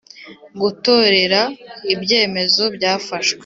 gutorera ibyemezo byafashwe